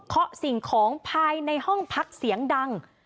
สิ่งของภายในห้องพักเสียงดัง